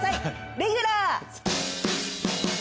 レギュラー。